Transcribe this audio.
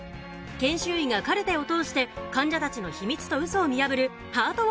研修医がカルテを通して患者たちの秘密とウソを見破るハート